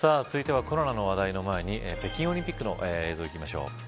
続いては、コロナの話題の前に北京オリンピックの映像いきましょう。